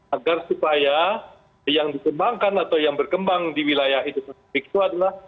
agar supaya yang dikembangkan atau yang berkembang di wilayah itu adalah